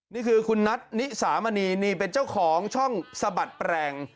นี่คือคุณนัทนิสามณีนี่เป็นเจ้าของช่องสะบัดแปลง